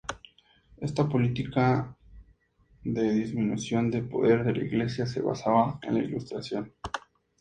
Esta política de disminución de poder de la iglesia se basaba en la Ilustración.